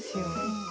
うん。